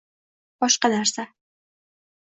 boshqa narsa.